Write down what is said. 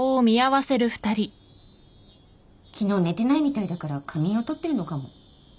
昨日寝てないみたいだから仮眠を取ってるのかも。